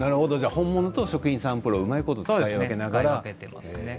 本物と食品サンプルをうまく使い分けながら。